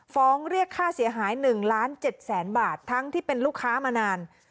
ฟ้องเรียกค่าเสียหาย๑ล้าน๗แสนบาททั้งที่เป็นลูกค้ามานาน